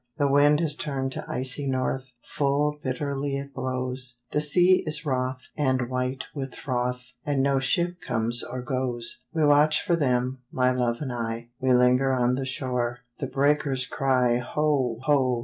The wind has turned to icy north, Full bitterly it blows; The sea is wroth, and white with froth, And no ship comes or goes. We watch for them, my love and I; We linger on the shore. The breakers cry Ho! ho!